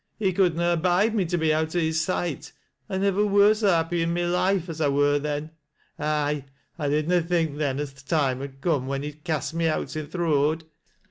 He could na abide me to be out o' his iight. I nivver wur so happy i' my life as I wur then A.ye! 1 did na think then, as th tcime ud come when he'd uast me out i' th' road.